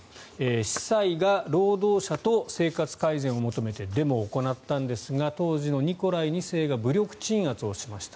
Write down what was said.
司祭が労働者と生活改善を求めてデモを行ったんですが当時のニコライ２世が武力鎮圧をしました。